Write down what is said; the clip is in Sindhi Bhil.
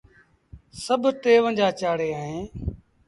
سڀ ٽيونجھآ چآڙيٚن اهيݩ۔